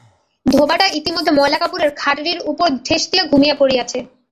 ধোবাটা ইতিমধ্যে ময়লা কাপড়ের গাঁঠরির উপর ঠেস দিয়া ঘুমাইয়া পড়িয়াছে।